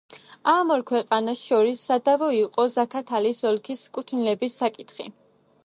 ამ ორ ქვეყანას შორის სადავო იყო ზაქათალის ოლქის კუთვნილების საკითხი.